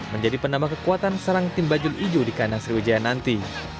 menjadi penambah kekuatan serang tim bajul ijo di kandang sriwijaya nanti